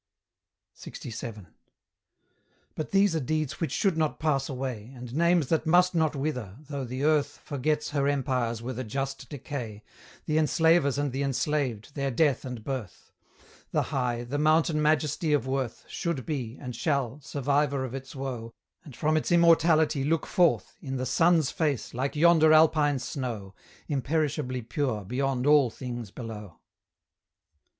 LXVII. But these are deeds which should not pass away, And names that must not wither, though the earth Forgets her empires with a just decay, The enslavers and the enslaved, their death and birth; The high, the mountain majesty of worth, Should be, and shall, survivor of its woe, And from its immortality look forth In the sun's face, like yonder Alpine snow, Imperishably pure beyond all things below.